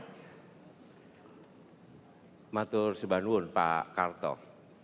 terima kasih pak soebanwun pak karton